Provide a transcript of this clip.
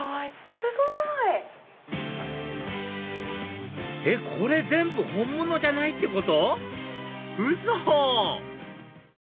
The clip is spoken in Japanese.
すごい！えっこれ全部本物じゃないってこと